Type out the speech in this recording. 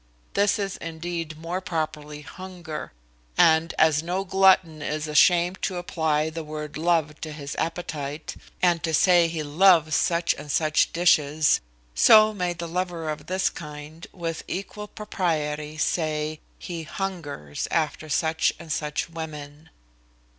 This is indeed more properly hunger; and as no glutton is ashamed to apply the word love to his appetite, and to say he LOVES such and such dishes; so may the lover of this kind, with equal propriety, say, he HUNGERS after such and such women.